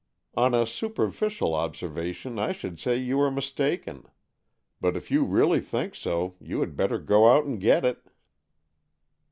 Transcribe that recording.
" On a superficial observation I should say you are mistaken. But if you really think so, you had better go out and get it."